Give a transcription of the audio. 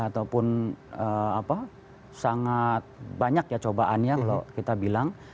ataupun sangat banyak ya cobaannya kalau kita bilang